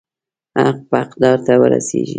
حق به حقدار ته ورسیږي.